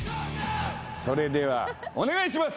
それではお願いします。